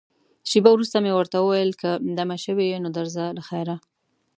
شېبه وروسته مې ورته وویل، که دمه شوې یې، نو درځه له خیره.